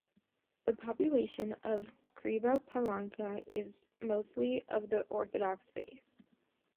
The population of Kriva Palanka is mostly of the Orthodox faith.